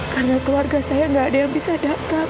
karena keluarga saya nggak ada yang bisa datang